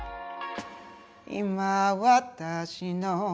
「今、私の」